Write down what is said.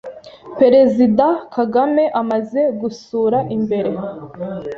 Perezida Kagame amaze gusura imbere